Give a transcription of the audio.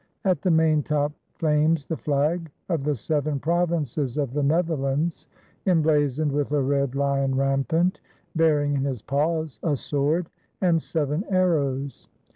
At the maintop flames the flag of the seven provinces of the Netherlands, emblazoned with a red lion rampant, bearing in his paws a sword and seven arrows.